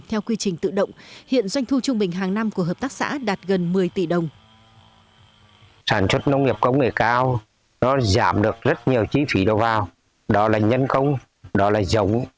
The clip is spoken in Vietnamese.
theo quy trình tự động hiện doanh thu trung bình hàng năm của hợp tác xã đạt gần một mươi tỷ đồng